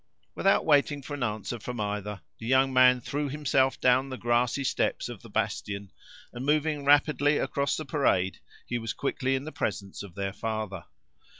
Without waiting for an answer from either, the young man threw himself down the grassy steps of the bastion, and moving rapidly across the parade, he was quickly in the presence of their father.